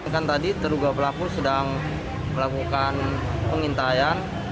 kan tadi terduga pelaku sedang melakukan pengintaian